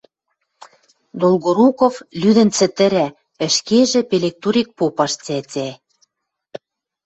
Долгоруков лӱдӹн цӹтӹрӓ, ӹшкежӹ пелек-турек попаш цӓцӓ: